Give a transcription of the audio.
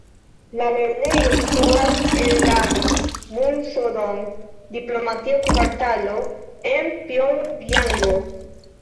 La lernejo situas en la Munsudong diplomatia kvartalo en Pjongjango.